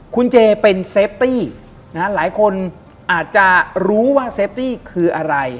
คุณเจเป็นเซฟตี้นะฮะหลายคนอาจจะรู้ว่าเซฟตี้คืออะไร